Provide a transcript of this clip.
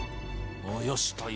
よし。